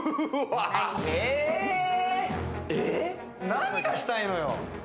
何がしたいのよ。